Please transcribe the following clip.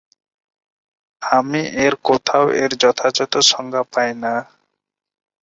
আমি এর কোথাও এর যথাযথ সংজ্ঞা পাই না।